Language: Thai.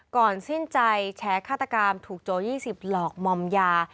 ก่อนสิ้นใจแช้ฆาตกรรมถูกโจยยี่สิบหลอกมอมยา